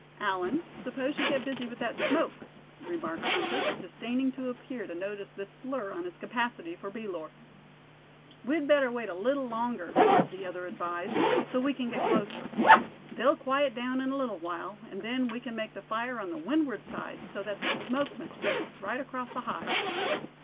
"Allan, s'pose you get busy with that smoke," remarked Bumpus, disdaining to appear to notice this slur on his capacity for bee lore. "We'd better wait a little longer," the other advised; "so we can get closer. They'll quiet down in a little while, and then we can make the fire on the windward side, so that the smoke must drift right across the hive."